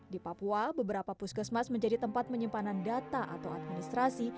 di papua beberapa puskesmas menjadi tempat penyimpanan data atau administrasi